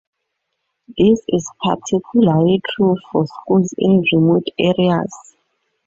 This is particularly true for schools in remote areas.